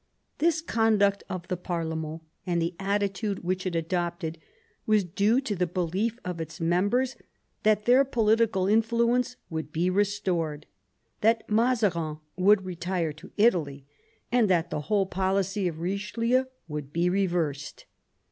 This conduct of the parlement, and the attitude which it adopted, was due to the belief of its members that their political influence would be restored, that Mazarin would retire to Italy, and that the whole policy of Richelieu would be reversed.